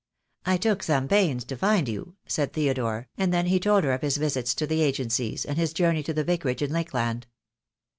" "I took some pains to find you," said Theodore, and then he told her of his visits to the agencies, and his journey to the Vicarage in Lakeland.